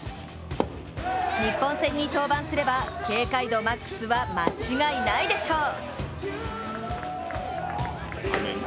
日本戦に登板すれば警戒度マックスは間違いないでしょう。